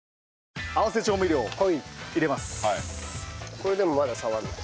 これでもまだ触らない。